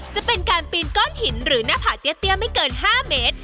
จะเป็นการปีนก้อนหินหรือหน้าผากเตี้ยไม่เกิน๕เมตร